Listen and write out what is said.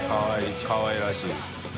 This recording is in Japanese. かわいらしい。